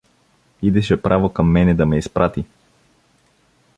Идеше право към мене да ме изпрати.